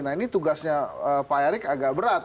nah ini tugasnya pak erick agak berat